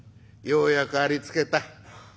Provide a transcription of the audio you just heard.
ようやくありつけた。